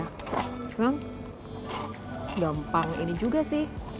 memang gampang ini juga sih